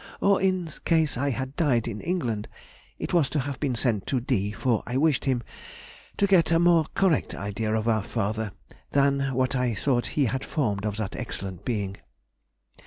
Or in case I had died in England, it was to have been sent to D., for I wished him to get a more correct idea of our father than what I thought he had formed of that excellent being.